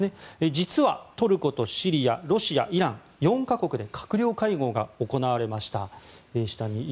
実はトルコとシリアロシア、イラン４か国で閣僚会合が行われました。